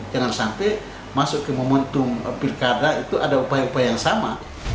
jangan sampai masuk ke momentum pilkada itu ada upaya upaya yang sama